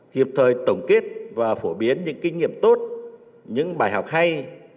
kịp thời tổng kết và phổ biến những kinh nghiệm tốt những bài học hay